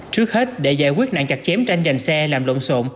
trước hết để giải quyết nạn chặt chém tranh giành xe làm lộn xộn